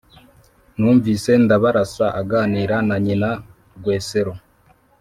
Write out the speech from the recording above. «numvise ndabarasa aganira na nyina rwesero